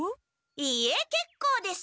いいえけっこうです。